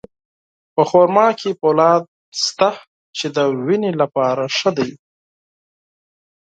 په خرما کې فولاد شته، چې د وینې لپاره مهم دی.